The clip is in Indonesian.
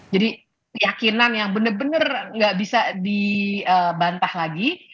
jadi keyakinan yang benar benar nggak bisa dibantah lagi